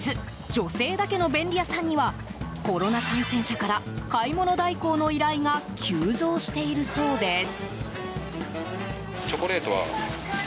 女性だけの便利屋さんにはコロナ感染者から買い物代行の依頼が急増しているそうです。